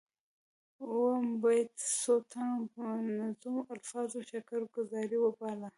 اووم بیت څو تنو په منظومو الفاظو شکر ګذاري وباله.